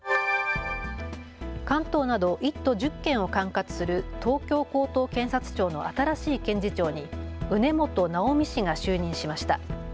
関東など１都１０県を管轄する東京高等検察庁の新しい検事長に畝本直美氏が就任しました。